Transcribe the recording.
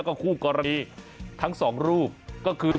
แล้วก็คู่กรณีทั้ง๒รูปก็คือ